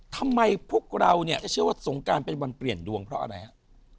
พวกเราเนี่ยจะเชื่อว่าสงการเป็นวันเปลี่ยนดวงเพราะอะไรฮะ